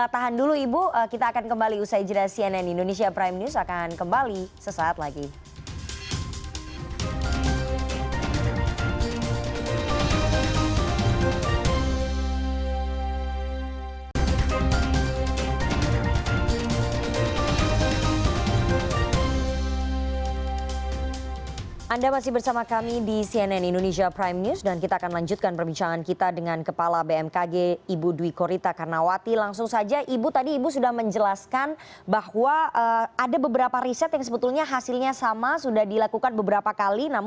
tahan dulu ibu kita akan kembali usai jelas cnn indonesia prime news akan kembali sesaat lagi